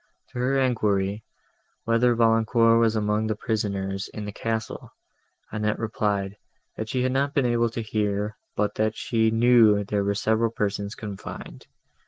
To her enquiry, whether Valancourt was among the prisoners in the castle, Annette replied, that she had not been able to hear, but that she knew there were several persons confined.